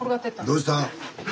どうした？